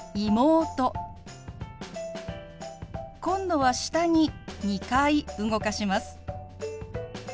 今度は下に２回動かします。